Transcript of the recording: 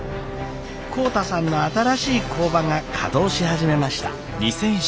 浩太さんの新しい工場が稼働し始めました。